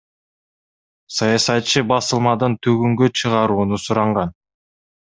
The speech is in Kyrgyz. Саясатчы басылмадан төгүнгө чыгарууну суранган.